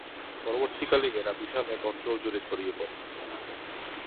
পরবর্তীকালে এরা বিশাল এক অঞ্চল জুড়ে ছড়িয়ে পড়ে।